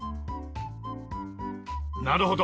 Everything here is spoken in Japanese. なるほど。